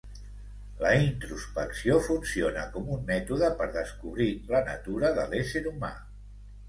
La introspecció funciona com un mètode per descobrir la natura de l'ésser humà.